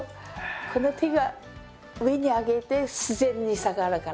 この手が上に上げて自然に下がるからね。